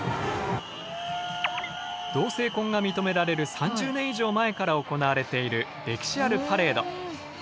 同性婚が認められる３０年以上前から行われている歴史あるパレード。